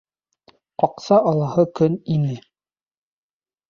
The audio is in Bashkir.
Аҡса алаһы көн ине.